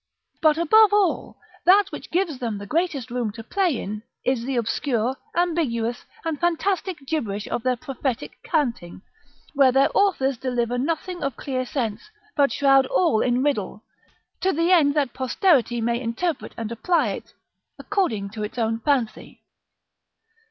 But above all, that which gives them the greatest room to play in, is the obscure, ambiguous, and fantastic gibberish of the prophetic canting, where their authors deliver nothing of clear sense, but shroud all in riddle, to the end that posterity may interpret and apply it according to its own fancy.